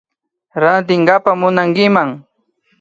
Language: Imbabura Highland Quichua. Rantinkapa munankiman